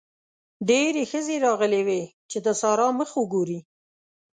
ډېرې ښځې راغلې وې چې د سارا مخ وګوري.